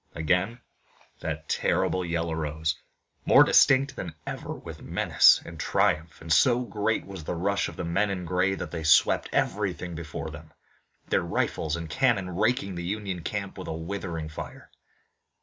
Again that terrible yell arose, more distinct than ever with menace and triumph, and so great was the rush of the men in gray that they swept everything before them, their rifles and cannon raking the Union camp with a withering fire.